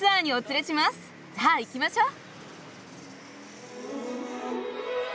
さぁ行きましょう！